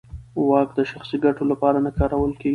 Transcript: واک د شخصي ګټو لپاره نه کارول کېږي.